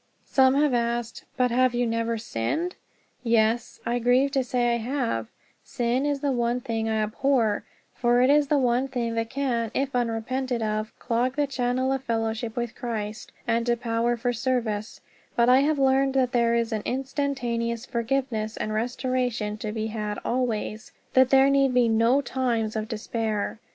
'" Some have asked, "But have you never sinned?" Yes, I grieve to say I have. Sin is the one thing I abhor for it is the one thing that can, if unrepented of, separate us, not from Christ, but from the consciousness of his presence. But I have learned that there is instantaneous forgiveness and restoration to be had always. That there need be no times of despair.